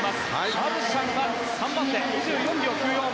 マルシャンが３番手２４秒９４。